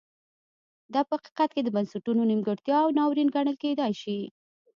دا په حقیقت کې د بنسټونو نیمګړتیا او ناورین ګڼل کېدای شي.